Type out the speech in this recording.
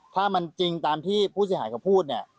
ถ้ามันจริงตามที่ผู้ศึกษาภายที่พูดเนี่ย